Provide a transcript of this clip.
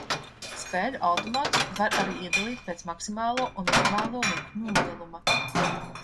Spēļu automātus var arī iedalīt pēc maksimālo un minimālo likmju lieluma.